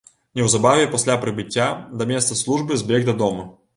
Неўзабаве пасля прыбыцця да месца службы збег дадому.